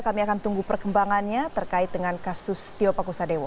kami akan tunggu perkembangannya terkait dengan kasus tio pakusadewo